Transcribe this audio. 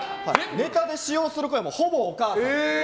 ネタで使用する声ほぼお母さん。